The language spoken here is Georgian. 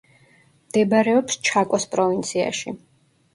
მდებარეობს ჩაკოს პროვინციაში.